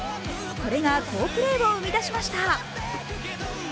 これが好プレーを生み出しました。